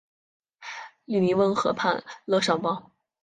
利尼翁河畔勒尚邦。